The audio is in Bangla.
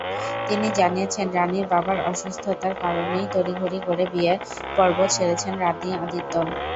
তিনি জানিয়েছেন, রানীর বাবার অসুস্থতার কারণেই তড়িঘড়ি করে বিয়ের পর্ব সেরেছেন রানী-আদিত্য।